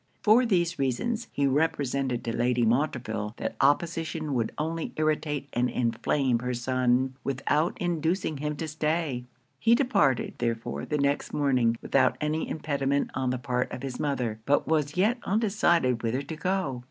For these reasons, he represented to Lady Montreville that opposition would only irritate and inflame her son, without inducing him to stay. He departed, therefore, the next morning, without any impediment on the part of his mother; but was yet undecided whither to go.